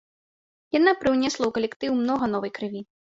Яна прыўнесла ў калектыў многа новай крыві.